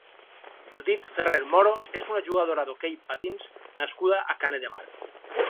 Judith Ferrer Moro és una jugadora d'hoquei patins nascuda a Canet de Mar.